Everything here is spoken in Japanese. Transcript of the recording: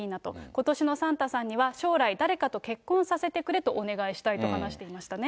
ことしのサンタさんには、将来誰かと結婚させてくれとお願いしたいと話していましたね。